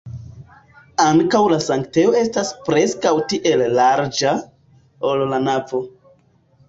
Ankaŭ la sanktejo estas preskaŭ tiel larĝa, ol la navo.